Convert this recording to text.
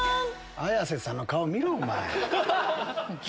綾瀬さんの顔見ろ。